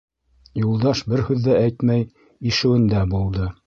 Юлдаш бер һүҙ ҙә әйтмәй ишеүендә булды.